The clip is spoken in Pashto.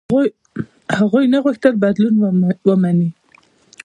هغوی نه غوښتل بدلون ومني.